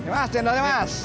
mas cendolnya mas